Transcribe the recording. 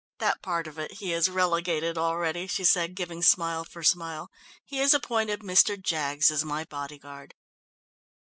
"That part of it he has relegated already," she said, giving smile for smile. "He has appointed Mr. Jaggs as my bodyguard."